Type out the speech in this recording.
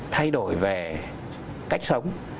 thay đổi về cách sống